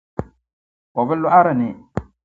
O bi lɔɣiri ni.